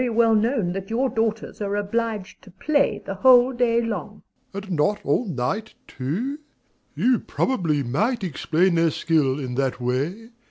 MRS. S. It is very well known that your daughters are obliged to play the whole day long. DOMINIE. And not all night too? You probably might explain their skill in that way.